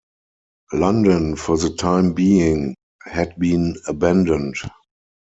London for the time being had been abandoned.